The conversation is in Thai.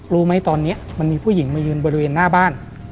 รู้ไหมตอนนี้มันมีผู้หญิงมายืนบริเวณหน้าบ้าน